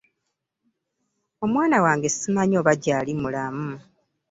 Omwana wange simanyi obo gyali mulamu.